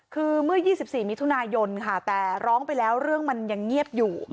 คือเมื่อ๒๔มิถุนายนค่ะแต่ร้องไปแล้วเรื่องมันยังเงียบอยู่